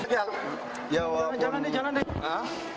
jalan jalan jalan